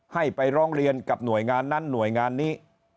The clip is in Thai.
ให้ไปร้องเรียนกับหน่วยงานนั้นหน่วยงานนี้